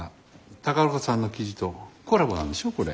宝子さんの記事とコラボなんでしょこれ。